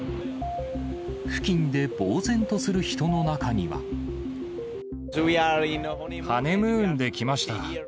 付近でぼう然とする人の中には。ハネムーンで来ました。